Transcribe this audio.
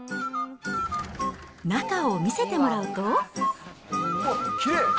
中を見せてもらうと。